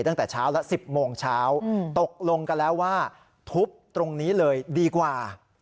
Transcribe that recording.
ตั้งแต่เช้าละ๑๐โมงเช้าตกลงกันแล้วว่าทุบตรงนี้เลยดีกว่า